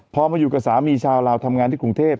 พอมาอยู่กับสามีชาวลาวทำงานที่กรุงเทพ